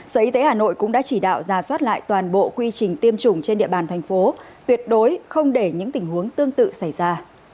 sở y tế hà nội cũng đã chỉ đạo ra soát lại toàn bộ quy trình tiêm chủng trên địa bàn thành phố tuyệt đối không để những tình huống tương tự xảy ra